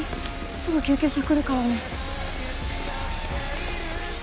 すぐ救急車来るからね。